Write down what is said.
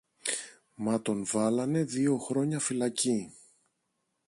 μα τον βάλανε δυο χρόνια φυλακή.